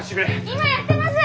今やってます！